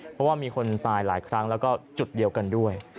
เพราะว่ามีคนตายหลายครั้งแล้วก็จุดเดียวกันด้วย